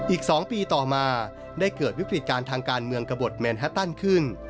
อีก๒ปีต่อมาได้เกิดวิกฤติการทางการเมืองกระบดแมนฮัตตันขึ้น